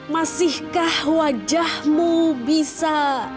masihkah wajahmu bisa bahagia